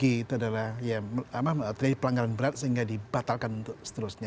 itu adalah ya terjadi pelanggaran berat sehingga dibatalkan untuk seterusnya